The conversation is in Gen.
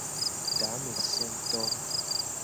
Tameseto a.